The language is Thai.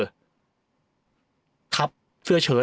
ที่ครับเสื้อเชิง